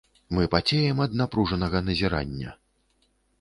Мы пацеем ад напружанага назірання.